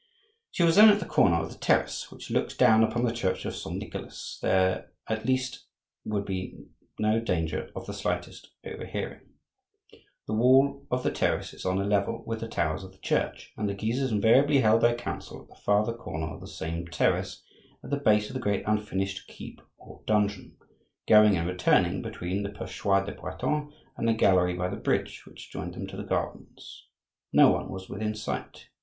She was then at the corner of the terrace which looks down upon the Church of Saint Nicholas; there, at least, there could be no danger of the slightest overhearing. The wall of the terrace is on a level with the towers of the church, and the Guises invariably held their council at the farther corner of the same terrace at the base of the great unfinished keep or dungeon,—going and returning between the Perchoir des Bretons and the gallery by the bridge which joined them to the gardens. No one was within sight.